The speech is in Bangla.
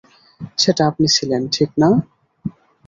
সেটা আপনি ছিলেন, ঠিক না?